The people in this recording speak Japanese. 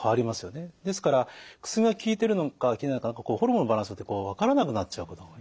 ですから薬が効いてるのか効いてないのかホルモンのバランスで分からなくなっちゃうことが多い。